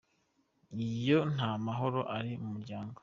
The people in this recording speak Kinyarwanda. Iyo ntamahoro ari mumuryango.